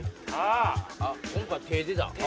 今回手出た。